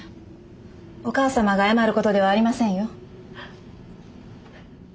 お母さまが謝ることではありませんよ。